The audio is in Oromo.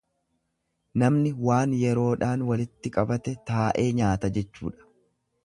Namni waan yeroodhaan walitti qabate taa'ee nyaata jechuudha.